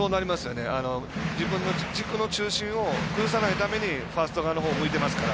自分の軸の中心を崩さないためにファースト側のほうを向いてますから。